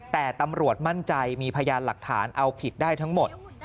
แต่ตำรวจมั่นใจมีพยานหลักฐานเอาผิดได้ทั้งหมด